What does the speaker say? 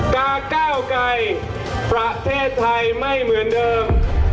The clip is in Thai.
กาก้าวไกรประเทศไทยไม่เหมือนเดิม